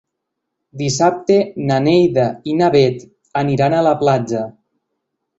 Dissabte na Neida i na Bet aniran a la platja.